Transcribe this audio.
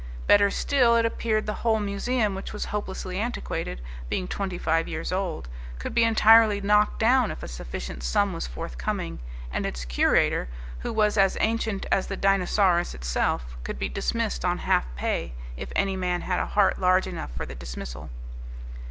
Better still, it appeared the whole museum which was hopelessly antiquated, being twenty five years old, could be entirely knocked down if a sufficient sum was forthcoming; and its curator, who was as ancient as the Dinosaurus itself, could be dismissed on half pay if any man had a heart large enough for the dismissal.